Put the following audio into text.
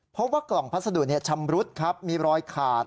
พบว่ากล่องพัสดุชำรุดมีรอยขาด